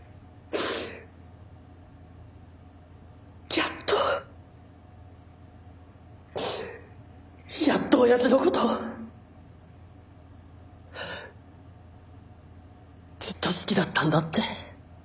やっとやっと親父の事ずっと好きだったんだって。